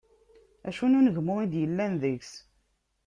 Acu n unegmu i d-yellan deg-s?